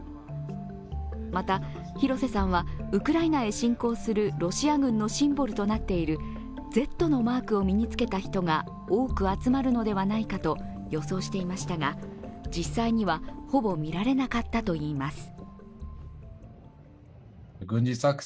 また、廣瀬さんはウクライナへ侵攻するロシア軍のシンボルとなっている「Ｚ」のマークを身につけた人が多く集まるのではないかと予想していましたが実際には、ほぼ見られなかったといいます。